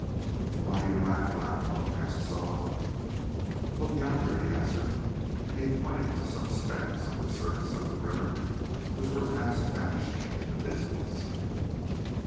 "Why do you laugh, Black One?" asked Soa. "Look yonder," he answered, and he pointed to some specks on the surface of the river which were fast vanishing in the distance.